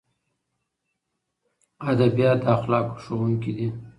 ادبیات د اخلاقو ښوونکي دي.